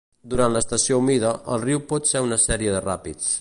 Durant l'estació humida, el riu pot ser una sèrie de ràpids.